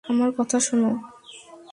আমার কথা শোনো!